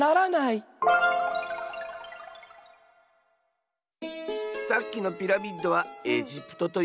さっきのピラミッドはエジプトというくににあるんだ。